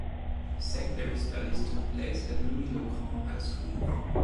His secondary studies took place at Louis-le-Grand high school.